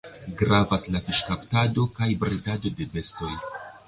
Gravas la fiŝkaptado kaj bredado de bestoj.